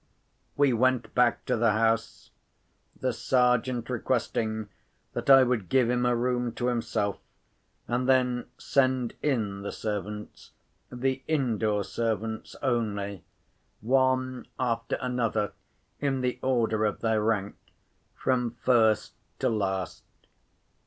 We went back to the house; the Sergeant requesting that I would give him a room to himself, and then send in the servants (the indoor servants only), one after another, in the order of their rank, from first to last.